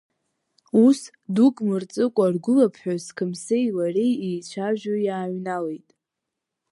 Ус, дук мырҵыкәа, ргәылаԥҳәыс Қымсеи лареи еицәажәо иааҩналеит.